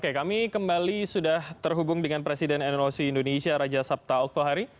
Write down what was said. oke kami kembali sudah terhubung dengan presiden noc indonesia raja sabta oktohari